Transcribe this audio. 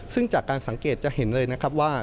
ซึ่งจากการสังเกตจะเห็นเลยนะครับว่า